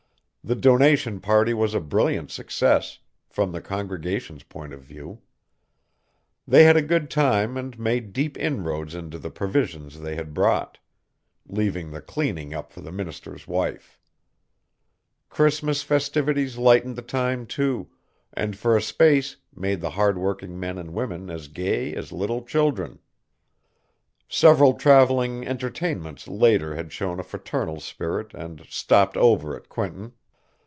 The donation party was a brilliant success from the congregation's point of view. They had a good time and made deep inroads into the provisions they had brought, leaving the cleaning up for the minister's wife. Christmas festivities lightened the time, too, and for a space made the hard working men and women as gay as little children. Several travelling entertainments later had shown a fraternal spirit and "stopped over" at Quinton.